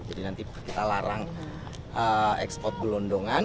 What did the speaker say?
jadi nanti kita larang ekspor gelondongan